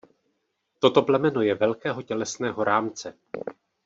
Toto plemeno je velkého tělesného rámce.